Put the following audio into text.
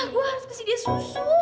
gue harus kasih dia susu